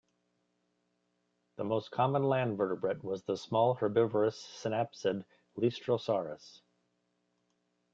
The most common land vertebrate was the small herbivorous synapsid "Lystrosaurus".